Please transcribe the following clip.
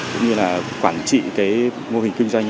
cũng như là quản trị cái mô hình kinh doanh